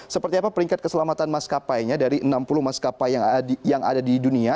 seperti apa peringkat keselamatan maskapainya dari enam puluh maskapai yang ada di dunia